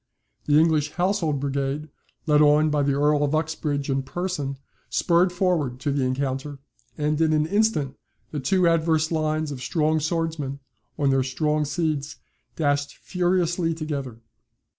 The English Household Brigade, led on by the Earl of Uxbridge in person, spurred forward to the encounter, and in an instant, the two adverse lines of strong swordsmen, on their strong steeds, dashed furiously together.